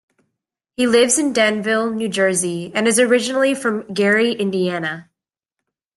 He lives in Denville, New Jersey and is originally from Gary, Indiana.